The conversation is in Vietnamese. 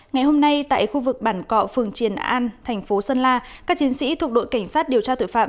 ngày hôm nay tại khu vực bản cọ phường triền an thành phố sơn la các chiến sĩ thuộc đội cảnh sát điều tra tội phạm